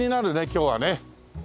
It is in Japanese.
今日はね。